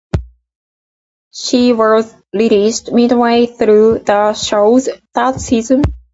She was released midway through the show's third season.